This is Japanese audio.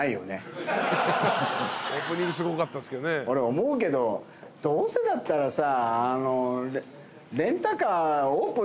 俺思うけどどうせだったらさ。